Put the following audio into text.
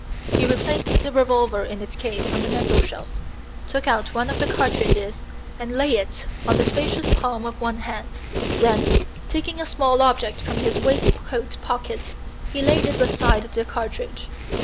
He replaced the revolver in its case on the mantel shelf, took out one of the cartridges, and laid it on the spacious palm of one hand; then, taking a small object from his waistcoat pocket, he laid it beside the cartridge.